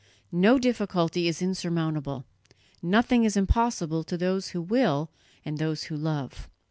No difficulty is insurmountable; nothing is impossible to those who will and those who love."